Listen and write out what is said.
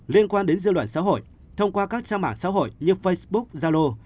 liên quan đến dư luận xã hội thông qua các trang mạng xã hội như facebook zalo